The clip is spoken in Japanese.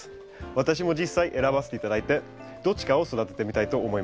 私も実際選ばせて頂いてどっちかを育ててみたいと思います。